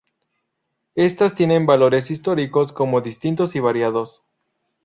Éstas tienen valores históricos muy distintos y variados.